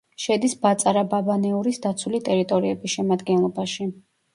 შედის ბაწარა-ბაბანეურის დაცული ტერიტორიების შემადგენლობაში.